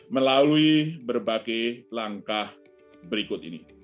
melalui berbagai langkah berikut ini